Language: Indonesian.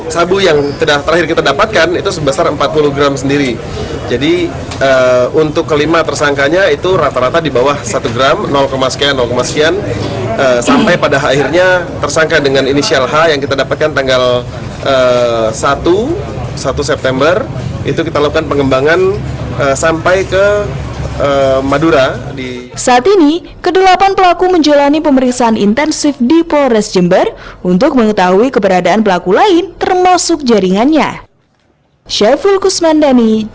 saat ini kedelapan pelaku menjalani pemeriksaan intensif di polres jember untuk mengetahui keberadaan pelaku lain termasuk jaringannya